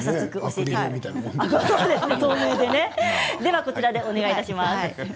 それではこちらでお願いします。